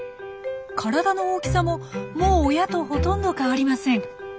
体の大きさももう親とほとんど変わりません。